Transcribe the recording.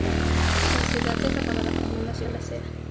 La ciudad es apodada como la "Ciudad de la seda".